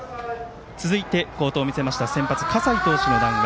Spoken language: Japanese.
続きまして、好投を見せました葛西投手の談話